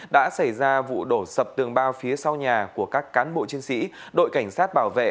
đã xảy ra vụ đổ sập tường bao phía sau nhà của các cán bộ chiến sĩ đội cảnh sát bảo vệ